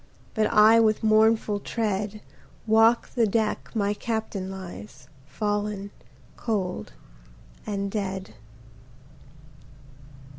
But I with mournful tread, Walk the deck my Captain lies, Fallen Cold and Dead.